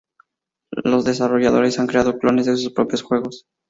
Los desarrolladores han creado "clones" de sus propios juegos.